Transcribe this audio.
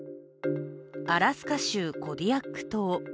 アラスカ州コディアック島。